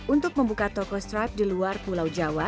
untuk membuka toko stripe di luar pulau jawa